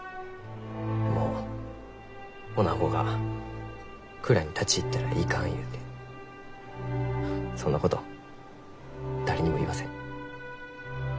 もうおなごが蔵に立ち入ったらいかんゆうてそんなこと誰にも言わせん。